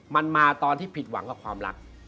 มันมาตอนที่ผิดหวังกับความรัก